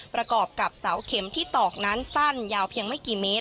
ประกอบกับเสาเข็มที่ตอกนั้นสั้นยาวเพียงไม่กี่เมตร